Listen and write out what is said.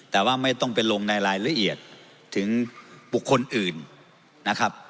แต่ว่าไม่ต้องไปลงในรายละเอียดถึงบุคคลอื่นนะครับ